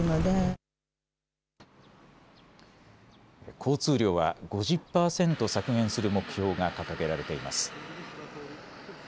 交通量は５０％削減する目標が掲げられています。